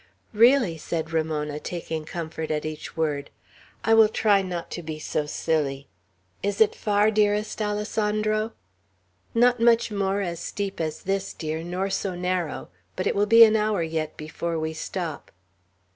"Really," said Ramona, taking comfort at each word, "I will try not to be so silly. Is it far, dearest Alessandro?" "Not much more as steep as this, dear, nor so narrow; but it will be an hour yet before we stop."